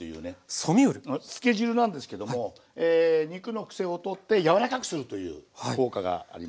ソミュール⁉つけ汁なんですけども肉のクセを取って柔らかくするという効果がありましてね。